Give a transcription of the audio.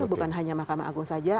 bukan hanya mahkamah agung saja